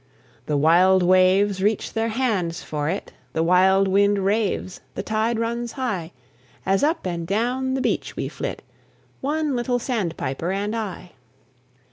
The wild waves reach their hands for it, The wild wind raves, the tide runs high, As up and down the beach we flit, One little sandpiper and I.